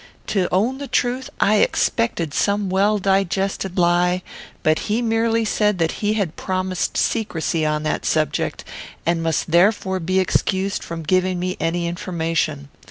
To own the truth, I expected some well digested lie; but he merely said that he had promised secrecy on that subject, and must therefore be excused from giving me any information.